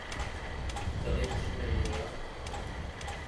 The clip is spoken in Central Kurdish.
دەڵێت هیچم نەبینیوە.